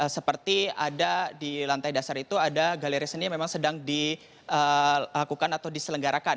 seperti ada di lantai dasar itu ada galeri seni yang memang sedang dilakukan atau diselenggarakan